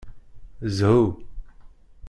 Zhu!